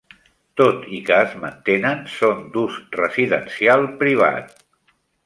Tot i que es mantenen, són d'ús residencial privat.